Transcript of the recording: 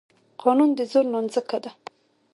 قانون د زور نانځکه ده.